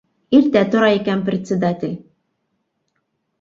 Иртә тора икән председатель.